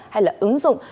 hay là ứng dụng